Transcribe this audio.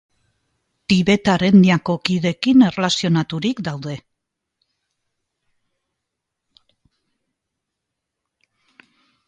Tibetar etniako kideekin erlazionaturik daude.